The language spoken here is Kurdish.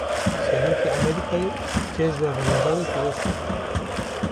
Serokê Emerîkayê, cejna remezanê pîroz kir